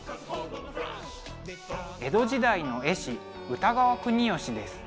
江戸時代の絵師歌川国芳です。